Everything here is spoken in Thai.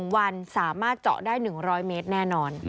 วันสามารถเจาะได้๑๐๐เมตรแน่นอน